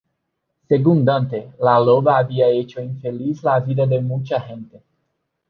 Según Dante la loba había hecho infeliz la vida de mucha gente.